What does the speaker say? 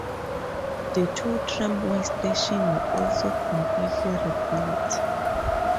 The two tramway stations were also completely rebuilt.